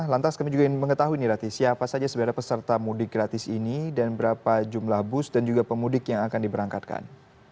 lantas kami juga ingin mengetahui rati siapa saja sebenarnya peserta mudik gratis ini dan berapa jumlah bus dan juga pemudik yang akan diberangkatkan